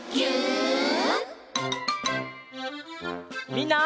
みんな。